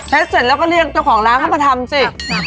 เสร็จแล้วก็เรียกเจ้าของร้านเข้ามาทำสิ